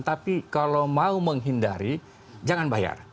tapi kalau mau menghindari jangan bayar